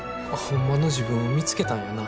ホンマの自分を見つけたんやな。